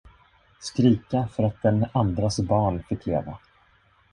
Skrika för att den andras barn fick leva!